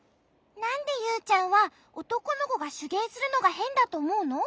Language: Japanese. なんでユウちゃんはおとこのこがしゅげいするのがへんだとおもうの？